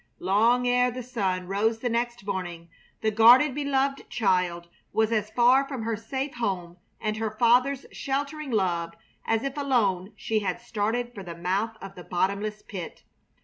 Long ere the sun rose the next morning the guarded, beloved child was as far from her safe home and her father's sheltering love as if alone she had started for the mouth of the bottomless pit.